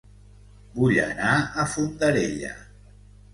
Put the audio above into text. Vull anar a Fondarella